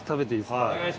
はい。